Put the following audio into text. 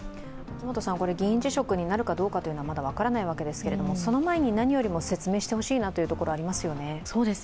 議員辞職になるかどうかというのはまだ分からないわけですけどもその前に何よりも説明してほしいなというところ、ありますよね。